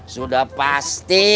nih yang pasti